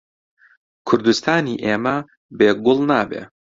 کوردستانی ئێمە بێ گوڵ نابێ